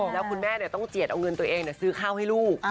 แล้วคุณแม่ต้องเจียดเอาเงินตัวเองซื้อข้าวให้ลูก